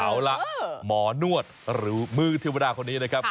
เอาล่ะหมอนวดหรือมือเทวดาคนนี้นะครับ